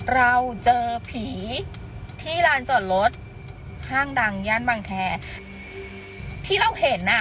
เราเจอผีที่ลานจอดรถห้างดังย่านบางแคที่เราเห็นอ่ะ